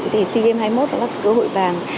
thì sea games hai mươi một đã gặp cơ hội vàng